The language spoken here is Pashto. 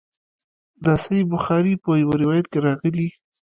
د صحیح بخاري په یوه روایت کې راغلي.